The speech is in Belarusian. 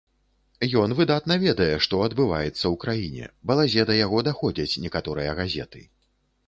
Ён выдатна ведае, што адбываецца ў краіне, балазе, да яго даходзяць некаторыя газеты.